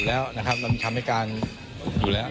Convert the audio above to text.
แล้วการที่เขาให้การหักล้าง